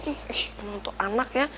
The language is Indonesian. eh mau untuk anak ya